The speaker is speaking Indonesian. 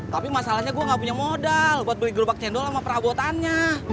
tapi masalahnya gue gak punya modal buat beli gerobak cendol sama perabotannya